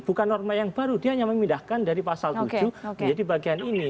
bukan norma yang baru dia hanya memindahkan dari pasal tujuh menjadi bagian ini